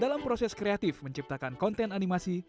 dalam proses kreatif menciptakan konten animasi